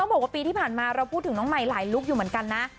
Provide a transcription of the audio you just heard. บอกว่าปีที่ผ่านมาเราพูดถึงน้องใหม่หลายลุคอยู่เหมือนกันนะ